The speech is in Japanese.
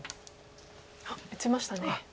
あっ打ちましたね。